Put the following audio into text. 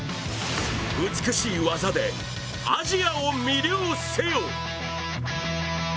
美しい技でアジアを魅了せよ！